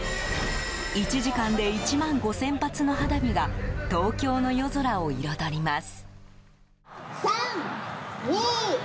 １時間で１万５０００発の花火が東京の夜空を彩ります。